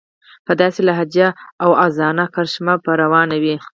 په داسې لهجه او واعظانه کرشمه به روان وي.